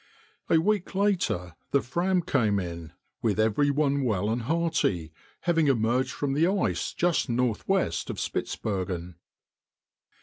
A week later the Fram came in, with every one well and hearty, having emerged from the ice just northwest of Spitzbergen.